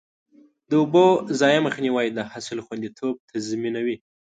د اوبو ضایع مخنیوی د حاصل خوندیتوب تضمینوي.